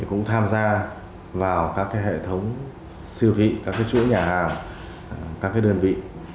cũng tham gia vào các hệ thống siêu thị các chuỗi nhà hàng các đơn vị